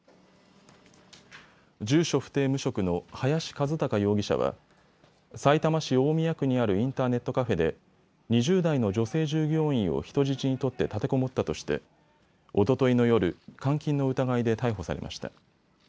住所不定・無職の林一貴容疑者はさいたま市大宮区にあるインターネットカフェで２０代の女性従業員を人質に取って立てこもったとしておとといの夜、監禁の疑いで逮捕されました。